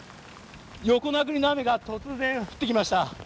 横殴りの雨が突然降ってきました。